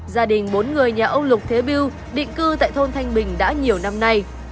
gia đình bốn người nhà ông lục thế biêu định cư tại thôn thanh bình đã nhiều năm nay